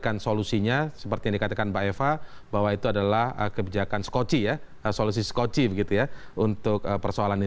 dan mencari solusinya seperti yang dikatakan mbak eva bahwa itu adalah kebijakan skocie ya solusi skocie begitu ya untuk persoalan ini